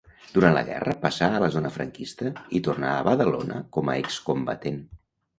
Durant la guerra passà a la zona franquista i tornà a Badalona com a excombatent.